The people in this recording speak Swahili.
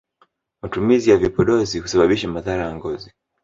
matumizi ya vipodozi husababisha madhara ya ngozi